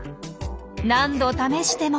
何度試してもあ